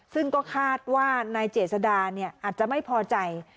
ซึ่งก็คาดว่าในเจษดาเนี่ยอาจจะไม่พอใจ